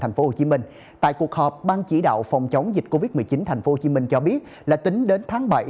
thành phố hồ chí minh tại cuộc họp bang chỉ đạo phòng chống dịch covid một mươi chín thành phố hồ chí minh cho biết là tính đến